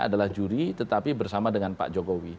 adalah juri tetapi bersama dengan pak jokowi